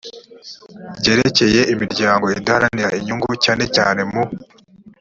ryerekeye imiryango idaharanira inyungu cyane cyane mu